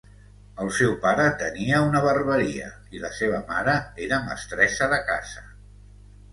El seu pare tenia una barberia i la seva mare era mestressa de casa.